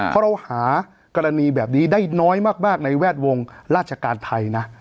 เพราะเราหากรณีแบบนี้ได้น้อยมากในแวดวงราชการไทยนะ